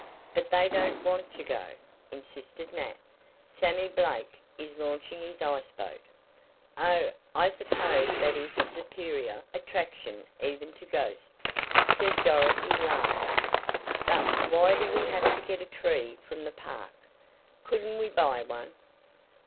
"But they don't want to go," insisted Nat. "Sammy Blake is launching his iceboat." "Oh, I suppose that is a superior attraction even to ghosts," said Dorothy, laughing, "But why do we have to get a tree from the park? Couldn't we buy one?"